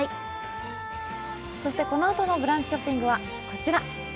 そしてこのあとの「ブランチショッピング」はこちら。